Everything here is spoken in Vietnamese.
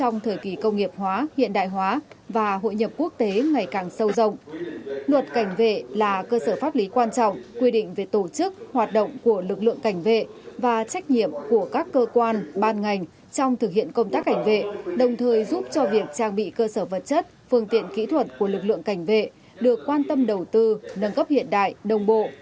nội dung sửa đổi thuộc bốn nhóm chính sách gồm quy định về tổ chức hoạt động của lực lượng cảnh vệ và trách nhiệm của các cơ quan ban ngành trong thực hiện công tác cảnh vệ đồng thời giúp cho việc trang bị cơ sở vật chất phương tiện kỹ thuật của lực lượng cảnh vệ được quan tâm đầu tư nâng cấp hiện đại đồng bộ